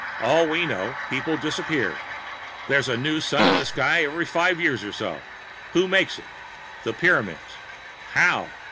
All we know, people disappear. There's a new sun in the sky every five years or so. Who makes it? The Pyramids. How?